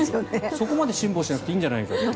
そこまで辛抱しなくていいんじゃないかという。